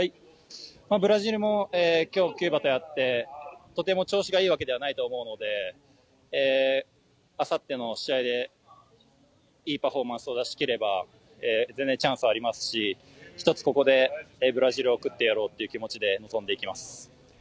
ブラジルも今日、キューバとやってとても調子がいいわけではないと思うのであさっての試合でいいパフォーマンスを出し切れば全然チャンスはありますし１つここでブラジルを食ってやろうという気持ちで臨んでいきます。